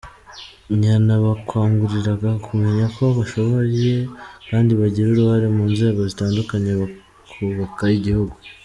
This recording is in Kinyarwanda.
Yanabakanguriraga kumenya ko bashoboye kandi bagira uruhare mu nzego zitandukanye bakubaka igihugu.